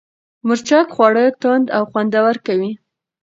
مرچک خواړه توند او خوندور کوي.